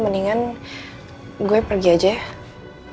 maaf kayaknya aku harus pergi aja ya